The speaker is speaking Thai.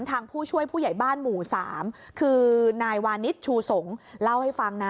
ผู้ช่วยผู้ใหญ่บ้านหมู่สามคือนายวานิสชูสงศ์เล่าให้ฟังนะ